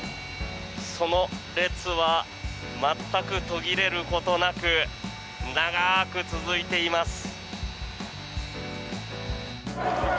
その列は全く途切れることなく長く続いています。